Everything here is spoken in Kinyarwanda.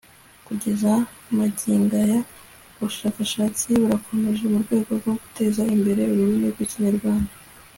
kugeza magingaya ubushakashatsi burakomeje mu rwego rwo guteza imbere ururimi rw'ikinyarwanda